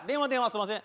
すんません。